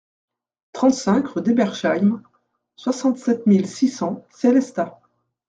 trente-cinq rue d'Ebersheim, soixante-sept mille six cents Sélestat